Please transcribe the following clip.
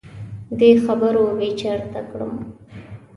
دې خبرو بې چرته کړم.